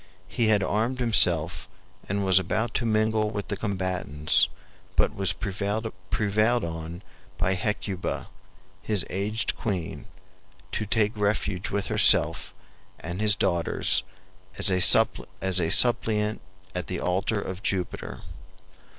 He had armed himself and was about to mingle with the combatants, but was prevailed on by Hecuba, his aged queen, to take refuge with herself and his daughters as a suppliant at the altar of Jupiter.